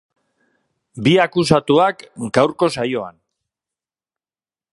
Bi akusatuak, gaurko saioan.